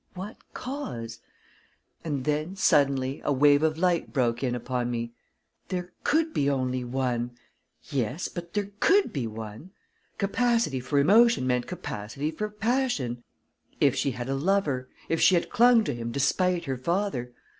What cause? And then, suddenly, a wave of light broke in upon me. There could be only one yes, but there could be one! Capacity for emotion meant capacity for passion. If she had a lover, if she had clung to him despite her father!